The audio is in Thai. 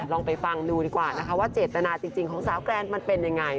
ลองไปฟังดูดีกว่านะคะว่าเจตนาจริงของสาวแกรนมันเป็นยังไง